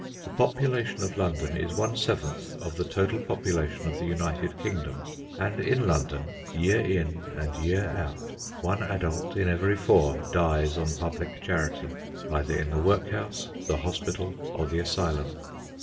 The population of London is one seventh of the total population of the United Kingdom, and in London, year in and year out, one adult in every four dies on public charity, either in the workhouse, the hospital, or the asylum.